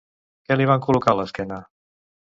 Què li van col·locar a l'esquena?